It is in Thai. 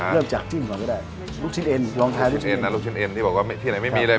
เริ่มจากจิ้มก่อนก็ได้ลูกชิ้นเอ็นลองทานลูกชิ้นเอ็นนะลูกชิ้นเอ็นที่บอกว่าที่ไหนไม่มีเลย